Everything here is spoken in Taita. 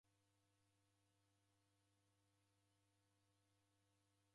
Mighondinyi ndoria reko nyingi.